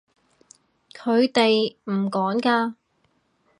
佢哋唔趕㗎